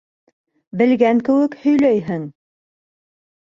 Белгән кеүек һөйләйһең...